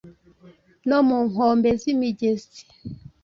no mu nkombe z’imigezi.